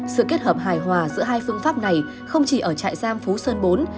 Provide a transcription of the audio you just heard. sự kết hợp hài hòa giữa hai phương pháp này không chỉ ở trại giam phú sơn bốn